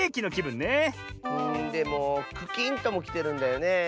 んでもクキンともきてるんだよねえ。